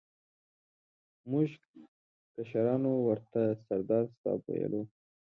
موږ کشرانو ورته سردار صاحب ویلو.